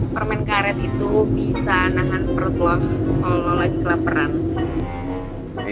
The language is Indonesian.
permen karet itu bisa nahan perut loh kalau lagi kelaperan